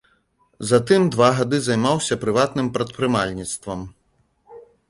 Затым два гады займаўся прыватным прадпрымальніцтвам.